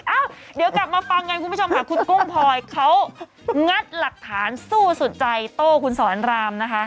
เอ้าเดี๋ยวกลับมาฟังกันคุณผู้ชมค่ะคุณกุ้งพลอยเขางัดหลักฐานสู้สุดใจโต้คุณสอนรามนะคะ